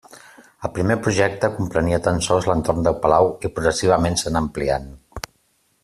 El primer projecte comprenia tan sols l'entorn del palau i progressivament s'anà ampliant.